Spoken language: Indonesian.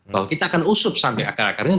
bahwa kita akan usup sampai akar akarnya